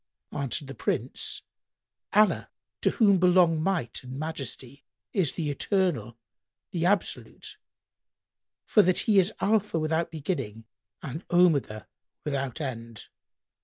Answered the Prince, "Allah (to whom belong Might and Majesty!) is the Eternal, the Absolute; for that He is Alpha, without beginning, and Omega, without end.